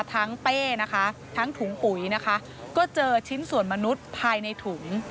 เป้นะคะทั้งถุงปุ๋ยนะคะก็เจอชิ้นส่วนมนุษย์ภายในถุง